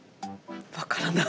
分からない。